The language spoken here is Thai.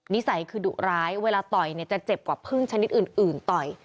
สัยคือดุร้ายเวลาต่อยเนี่ยจะเจ็บกว่าพึ่งชนิดอื่นต่อย